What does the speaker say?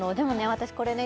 私これね